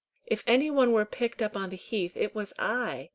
"If any one were picked up on the heath, it was I.